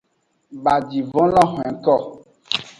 Bajivon lo hwenko.